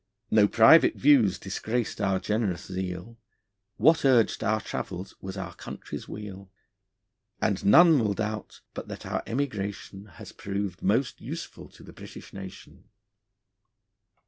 No private views disgraced our generous zeal, What urged our travels was our country's weal; And none will doubt, but that our emigration Has proved most useful to the British nation.